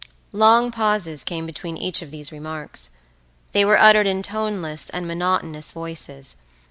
Long pauses came between each of these remarks; they were uttered in toneless and monotonous voices.